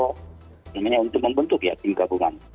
apa namanya untuk membentuk ya tim gabungan